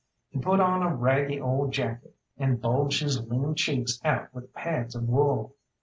He put on a raggy old jacket, and bulged his lean cheeks out with pads of wool.